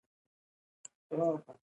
بېرته مې زړه کرار سو.